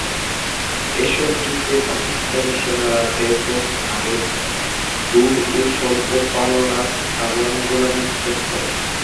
এসব যুদ্ধে পাকিস্তানি সেনারা ব্যাপক হারে দূর ও স্বল্প পাল্লার কামানের গোলা নিক্ষেপ করে।